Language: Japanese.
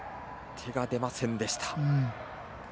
手が出ませんでした。